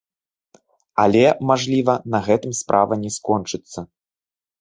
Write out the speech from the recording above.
Але, мажліва, на гэтым справа не скончыцца.